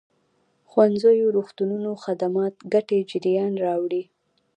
ښوونځيو روغتونونو خدمات ګټې جريان راوړي.